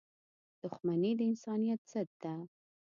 • دښمني د انسانیت ضد ده.